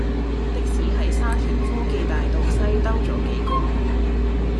的士喺沙田科技大道西兜左幾個圈